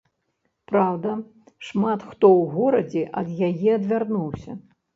Праўда, шмат хто ў горадзе ад яе адвярнуўся.